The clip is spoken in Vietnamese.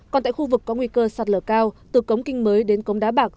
còn tại khu vực có nguy cơ sạt lở cao từ cống kinh mới đến cống đá bạc